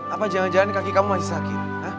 apa jangan jangan kaki kamu masih sakit